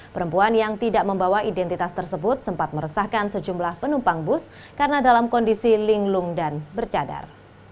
perempuan yang tidak membawa identitas tersebut sempat meresahkan sejumlah penumpang bus karena dalam kondisi linglung dan bercadar